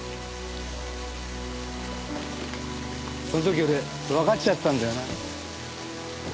その時俺分かっちゃったんだよな。